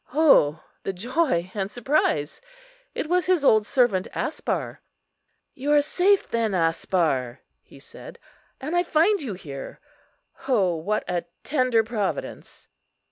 O the joy and surprise! it was his old servant Aspar. "You are safe, then, Aspar," he said, "and I find you here. O what a tender Providence!"